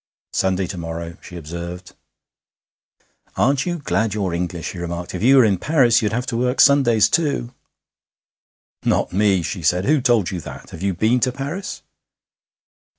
'Sunday to morrow,' she observed. 'Aren't you glad you're English?' he remarked. 'If you were in Paris you'd have to work Sundays too.' 'Not me!' she said. 'Who told you that? Have you been to Paris?'